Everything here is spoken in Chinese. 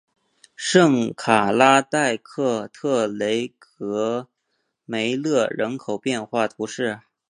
圣卡拉代克特雷戈梅勒人口变化图示